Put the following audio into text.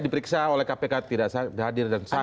diperiksa oleh kpk tidak hadir dan salah